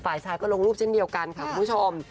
ฝ่ายชายก็ลงรูปเช่นเดียวกันค่ะคุณผู้ชม